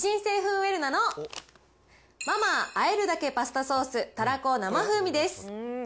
ウェルナのマ・マーあえるだけパスタソースたらこ生風味です。